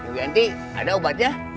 wianti ada obatnya